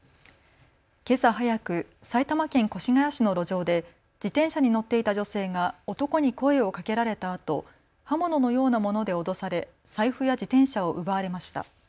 けさ早く、埼玉県越谷市の路上で自転車に乗っていた女性が男に声をかけられたあと刃物のようなもので脅され財布や自転車を奪われました。